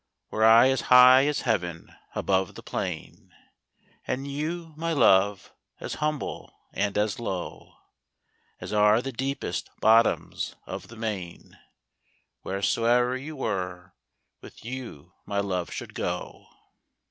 Were I as high as heaven above the plain, And you, my Love, as humble and as low As are the deepest bottoms of the main, Whereso'er you were, with you my love should go.